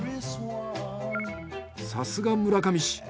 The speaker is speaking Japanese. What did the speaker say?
さすが村上市！